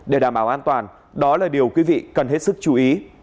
để đảm bảo an toàn đó là điều quý vị cần hết sức chú ý